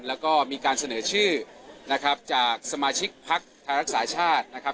แล้วก็มีการเสนอชื่อนะครับจากสมาชิกพักไทยรักษาชาตินะครับ